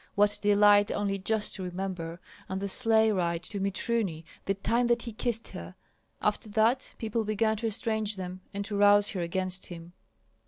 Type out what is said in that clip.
What delight only just to remember! And the sleigh ride to Mitruny, the time that he kissed her! After that, people began to estrange them, and to rouse her against him.